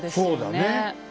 そうだね。